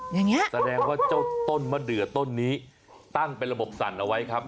อย่างนี้แสดงว่าเจ้าต้นมะเดือต้นนี้ตั้งเป็นระบบสั่นเอาไว้ครับ